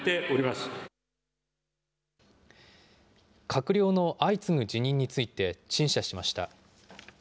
閣僚の相次ぐ辞任について陳謝しました。